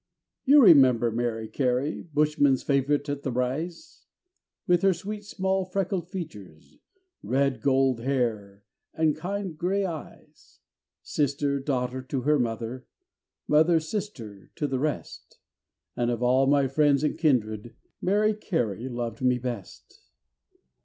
You remember Mary Carey, Bushmen's favourite at the Rise? With her sweet small freckled features, Red gold hair, and kind grey eyes; Sister, daughter, to her mother, Mother, sister, to the rest And of all my friends and kindred, Mary Carey loved me best.